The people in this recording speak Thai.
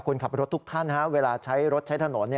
คนขับรถทุกท่านเวลาใช้รถใช้ถนน